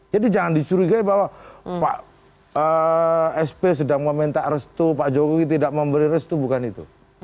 jadi jangan dicurigai bahwa pak sp sedang meminta restu pak jokowi tidak memberi restu bukan itu